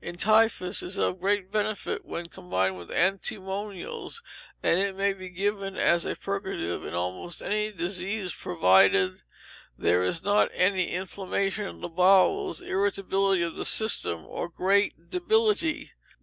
In typhus it is of great benefit when combined with antimonials; and it may be given as a purgative in almost any disease, provided there is not any inflammation of the bowels, irritability of the system, or great debility.